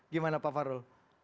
gimana pak fahru